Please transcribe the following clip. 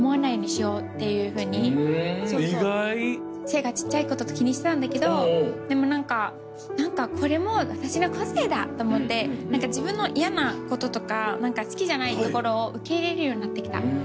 背が小っちゃいこと気にしてたんだけどでも何かこれも私の個性だと思って自分の嫌なこととか好きじゃないところを受け入れるようになって来た。